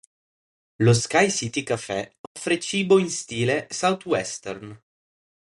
Lo Sky City Café offre cibo in stile "southwestern".